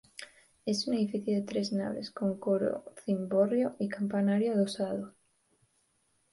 Es un edificio de tres naves con coro, cimborrio y campanario adosado.